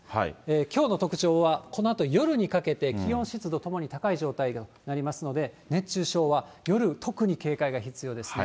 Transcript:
きょうの特徴は、このあと夜にかけて、気温、湿度ともに高い状態となりますので、熱中症は夜、特に警戒が必要ですね。